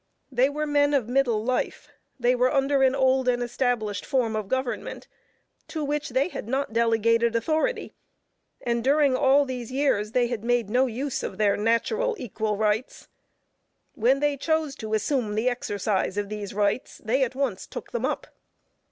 They were men of middle life; they were under an old and established form of government to which they had not delegated authority, and during all these years they had made no use of their natural, equal rights. When they chose to assume the exercise of these rights, they at once took them up.